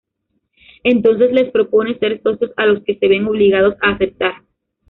Entonces, les propone ser socios, a lo que se ven obligados a aceptar.